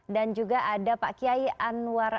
dan juga ada pak kiai anwar